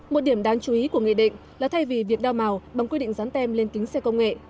một điểm đáng chú ý của nghị định là thay vì việc đao màu bằng quy định dán tem lên kính xe công nghệ